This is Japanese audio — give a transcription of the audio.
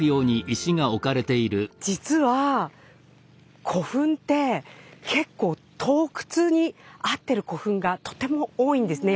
実は古墳って結構盗掘にあってる古墳がとても多いんですね。